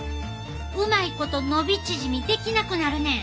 うまいこと伸び縮みできなくなるねん。